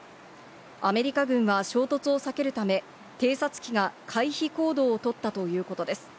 アメリカ軍は衝突を避けるため偵察機が回避行動を取ったということです。